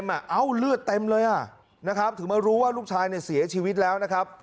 เอ้าเลือดเต็มเลยนะครับถึงมารู้ว่าลูกชายเนี่ยเสียชีวิตแล้วนะครับ